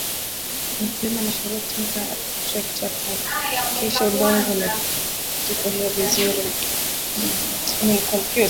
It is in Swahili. mkulima anashauriwa kutumkia trekta kuhakisha udongo umetifuliwa vizuri